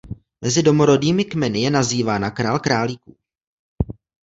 Mezi domorodými kmeny je nazývána „král králíků“.